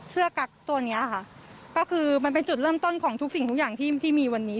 กั๊กตัวเนี้ยค่ะก็คือมันเป็นจุดเริ่มต้นของทุกสิ่งทุกอย่างที่ที่มีวันนี้